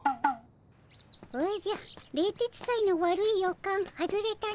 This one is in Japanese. おじゃ冷徹斎の悪い予感外れたの。